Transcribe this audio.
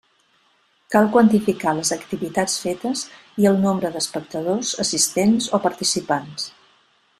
Cal quantificar les activitats fetes i el nombre d'espectadors, assistents o participants.